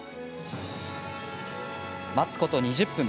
待つこと２０分。